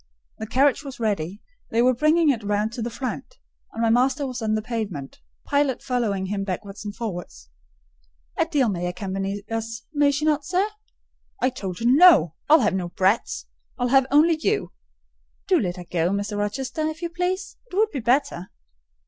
The carriage was ready: they were bringing it round to the front, and my master was pacing the pavement, Pilot following him backwards and forwards. "Adèle may accompany us, may she not, sir?" "I told her no. I'll have no brats!—I'll have only you." "Do let her go, Mr. Rochester, if you please: it would be better."